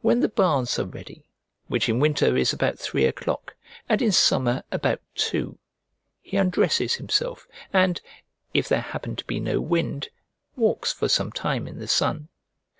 When the baths are ready, which in winter is about three o'clock, and in summer about two, he undresses himself and, if there happen to be no wind, walks for some time in the sun.